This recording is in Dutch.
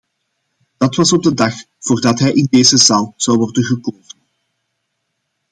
Dat was op de dag voordat hij in deze zaal zou worden gekozen.